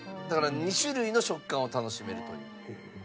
だから２種類の食感を楽しめるという。